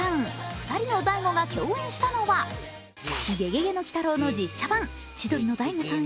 ２人のダイゴが共演したのは「ゲゲゲの鬼太郎」の実写版、千鳥の大悟さん